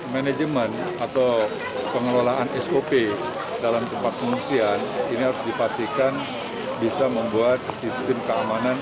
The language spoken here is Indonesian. manajemen atau pengelolaan sop dalam tempat pengungsian ini harus dipastikan bisa membuat sistem keamanan